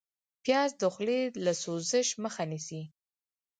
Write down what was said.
پیاز د خولې له سوزش مخه نیسي